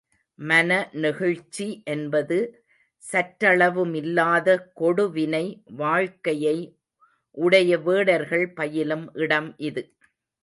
மனநெகிழ்ச்சி என்பது சற்றளவுமில்லாத கொடு வினை வாழ்க்கையை உடைய வேடர்கள் பயிலும் இடம் இது.